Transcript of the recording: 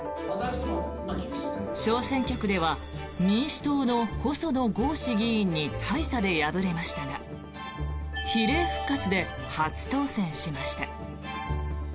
小選挙区では民主党の細野豪志議員に大差で敗れましたが比例復活で初当選しました。